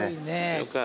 よかった。